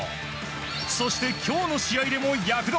そして、今日の試合でも躍動。